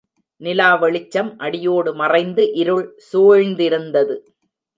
நிலா வெளிச்சம் அடியோடு மறைந்து இருள் சூழ்ந்திருந்தது.